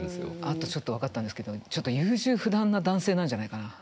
あとちょっと分かったんですけどちょっと優柔不断な男性なんじゃないかな。